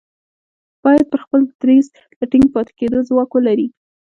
بايد پر خپل دريځ د ټينګ پاتې کېدو ځواک ولري.